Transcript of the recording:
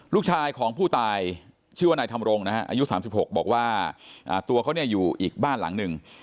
ลูกชายของผู้ตายชื่อว่านายธรรมรงนะฮะอายุ๓๖บอกว่าตัวเขาเนี่ยอยู่อีกบ้านหลังหนึ่ง